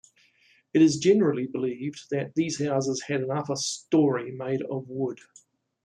It is generally believed that these houses had an upper story made of wood.